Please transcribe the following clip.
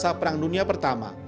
masa perang dunia pertama